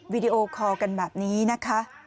วิดีโอคอลกันแบบนี้นะคะ